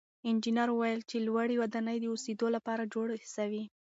انجنیر وویل چې لوړې ودانۍ د اوسېدو لپاره جوړې سوې.